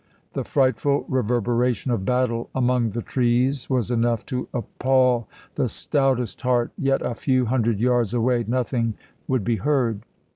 The frightful reverberation of battle among the trees was enough to appal the stoutest heart, yet a few hundred yards away nothing would be heard.